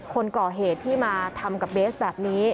คนก่อเหตุที่มาทำกับเบสแบบนี้